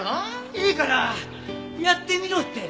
いいからやってみろって！